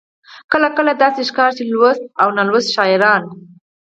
کله کله داسې ښکاري چې لوستو او نالوستو شاعرانو.